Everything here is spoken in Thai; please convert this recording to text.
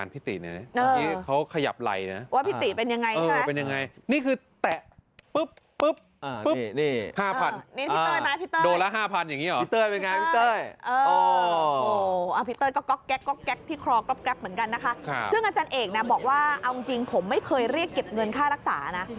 ซึ่งอาจารย์เอกนะบอกว่าเอาจริงผมไม่เคยเรียกเก็บเงินค่ารักษานะ